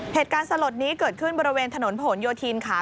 เหตุการณ์สลดนี้เกิดขึ้นบริเวณถนนโผลจ์ยูอทินค่ะ